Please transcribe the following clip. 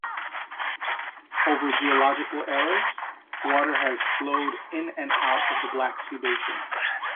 Over geological eras, water has flowed in and out of the Black Sea basin.